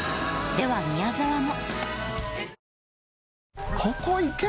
では宮沢も。